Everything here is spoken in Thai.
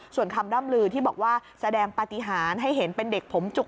ส่วนคำร่ำลือที่บอกว่าแสดงปฏิหารให้เห็นเป็นเด็กผมจุก